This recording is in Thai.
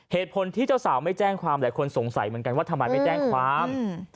เหตุผลที่เจ้าสาวไม่แจ้งความหลายคนสงสัยเหมือนกันว่าทำไมไม่แจ้งความ